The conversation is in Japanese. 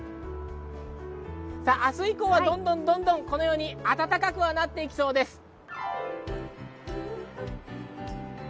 明日以降はどんどんこのように暖かくはなっていきそうです。